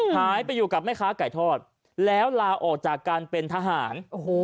หายไปอยู่กับแม่ค้าไก่ทอดแล้วลาออกจากการเป็นทหาร